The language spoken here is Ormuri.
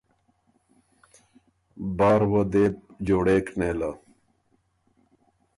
بار وه دې بو جوړېک نېله۔